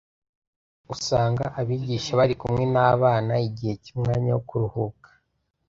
usanga abigisha bari kumwe n’abana igihe cy’umwanya wo kuruhuka.